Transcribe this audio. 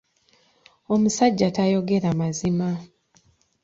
Omusajja tayogera mazima.